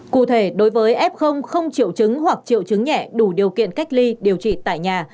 cụ thể đối với f không triệu chứng hoặc triệu chứng nhẹ đủ điều kiện cách ly điều trị tại nhà